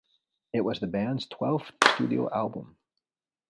It was the band's twelfth studio album.